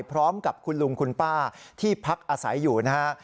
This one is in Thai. พร้อมกับคุณลุงคุณป้าที่พักอาศัยอยู่นะฮะ